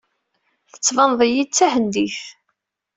Tettbaneḍ-iyi-d d Tahendit.